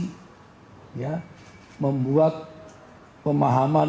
kita tidak boleh membuat pemahaman